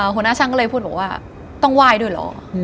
หัวหน้าช่างก็เลยพูดบอกว่าต้องไหว้ด้วยเหรอ